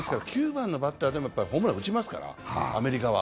９番のバッターでもホームラン打ちますから、アメリカは。